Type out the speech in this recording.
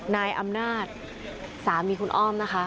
นายอำนาจสามีคุณอ้อมนะคะ